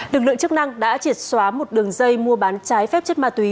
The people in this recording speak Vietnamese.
lực lượng chức năng đã triệt xóa một đường dây mua bán trái phép chất ma túy